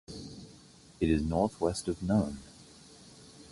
It is northwest of Nome.